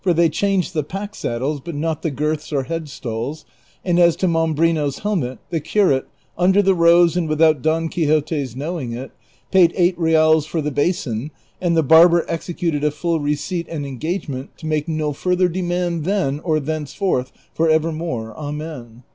tliey changed the pack saddles, but not the girths or head stalls ; and as to Manibrino's helmet, the curate, under the rose and without Don Quixote's knowing it, paid eight reals for the basin, and the barber executed a full receipt and en gagement to make no further demand then or thenceforth for evermore, amen.